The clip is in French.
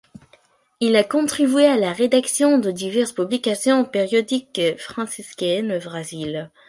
Il a contribué à la rédaction de diverses publications périodiques franciscaines au Brésil.